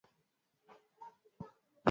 Kuja tuimbe